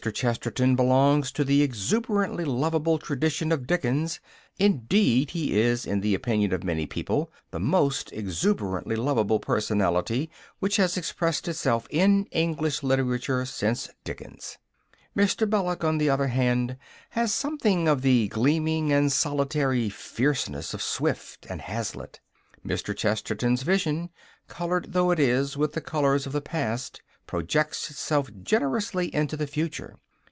Chesterton belongs to the exuberantly lovable tradition of Dickens; indeed, he is, in the opinion of many people, the most exuberantly lovable personality which has expressed itself in English literature since Dickens. Mr. Belloc, on the other hand, has something of the gleaming and solitary fierceness of Swift and Hazlitt. Mr. Chesterton's vision, coloured though it is with the colours of the past, projects itself generously into the future.